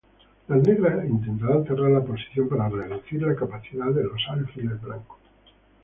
Las negras intentarán cerrar la posición para reducir la capacidad de los alfiles blancos.